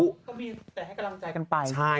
มีแต่ให้กระล่ำใจไป